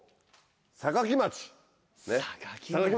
坂城町。